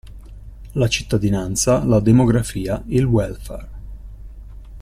La cittadinanza, la demografia, il welfare.